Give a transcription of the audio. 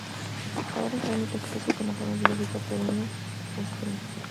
Hasta ahora es la única especie con la forma biológica perenne rastrera.